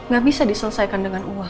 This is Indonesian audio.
gak bisa diselesaikan dengan uang